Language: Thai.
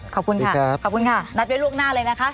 ขอบคุณค่ะนัดไว้ลูกหน้าเลยนะคะ